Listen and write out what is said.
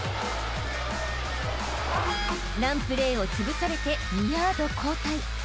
［ランプレーをつぶされて２ヤード後退］